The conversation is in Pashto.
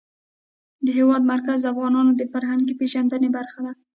د هېواد مرکز د افغانانو د فرهنګي پیژندنې برخه ده.